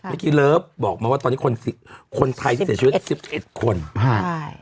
เมื่อกี้เลิฟบอกมาว่าตอนนี้คนไทยเสียชีวิต๑๑คนใช่